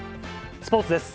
スポーツです。